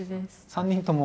３人とも。